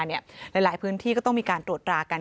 หลายพื้นที่ก็ต้องมีการตรวจรากัน